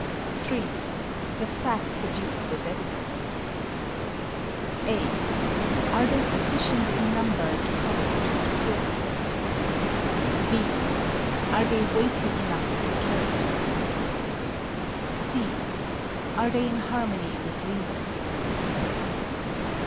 3. The facts adduced as evidence (a) Are they sufficient in number to constitute proof? (b) Are they weighty enough in character? (c) Are they in harmony with reason?